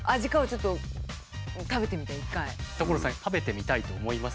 所さん食べてみたいと思います？